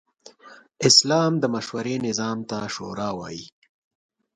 اسلام د مشورې نظام ته “شورا” وايي.